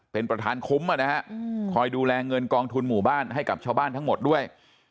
เป็นประธานคุ้มคอยดูแลเงินกองทุนหมู่บ้านให้กับชาวบ้านทั้งหมดด้วย